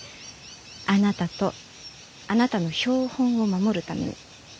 あなたとあなたの標本を守るために。